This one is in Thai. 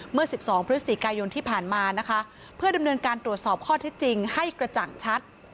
เมื่อ๑๒พฤศจิกายนที่ผ่านมานะคะเพื่อดำเนินการตรวจสอบข้อที่จริงให้กระจ่างชัด